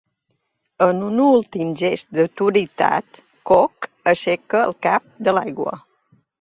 En un últim gest d'autoritat, Cook aixeca el cap de l'aigua.